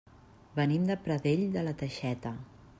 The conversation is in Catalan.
Venim de Pradell de la Teixeta.